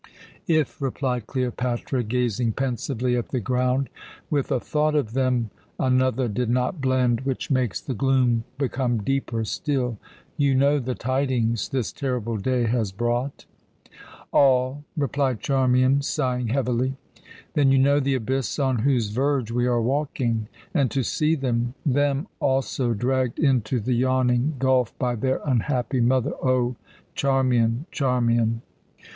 "If," replied Cleopatra, gazing pensively at the ground, "with a thought of them another did not blend which makes the gloom become deeper still. You know the tidings this terrible day has brought?" "All," replied Charmian, sighing heavily. "Then you know the abyss on whose verge we are walking; and to see them them also dragged into the yawning gulf by their unhappy mother O, Charmian, Charmian!"